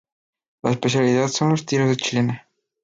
Su especialidad son los tiros de "chilena".